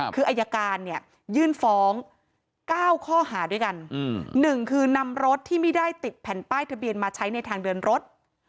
คืออายการเนี่ยยื่นฟ้อง๙ข้อหาด้วยกัน๑คือนำรถที่ไม่ได้ติดแผ่นป้ายทะเบียนมาใช้ในทางเดินรถ